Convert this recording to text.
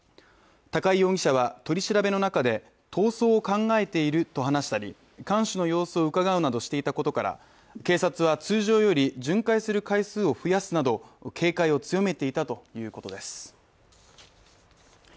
高井容疑者は取り調べの中で逃走を考えていると話したり看守の様子をうかがうなどしていたことから警察は通常より巡回する回数を増やすなど警戒を強めていたということです。